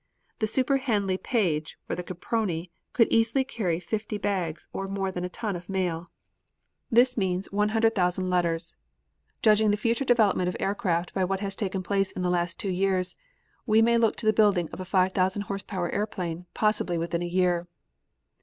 The super Handley Page or the Caproni could easily carry fifty bags, or more than a ton of mail. This means 100,000 letters. Judging the future development of aircraft by what has taken place in the last two years, we may look for the building of a 5,000 horse power airplane, possibly within a year.